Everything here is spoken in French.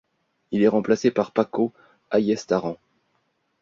Il est remplacé par Pako Ayestarán.